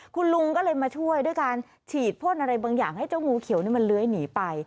คุณลุงก็เลยมาช่วยด้วยการฉีดพ่นอะไรบางอย่างให้เจ้างูเขียวนี่มันเลื้อยหนีไป